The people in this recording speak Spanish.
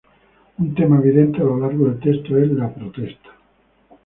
Un tema evidente a lo largo del texto es la protesta.